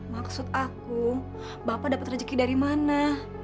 maksud aku bapak dapat rezeki dari mana